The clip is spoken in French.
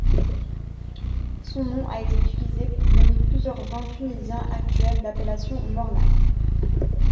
Son nom a été utilisé pour nommer plusieurs vins tunisiens actuels d'appellation Mornag.